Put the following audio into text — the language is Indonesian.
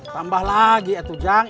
tambah lagi atuh jang